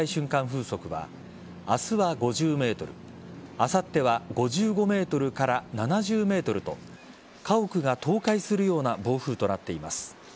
風速は明日は５０メートルあさっては５５メートルから７０メートルと家屋が倒壊するような暴風となっています。